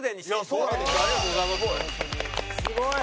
すごい！